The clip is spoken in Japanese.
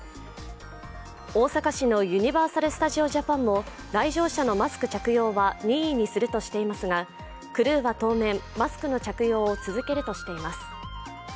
大阪市のユニバーサル・スタジオ・ジャパンも来場者のマスク着用は任意にするとしていますが、クルーは当面、マスクの着用を続けるとしています。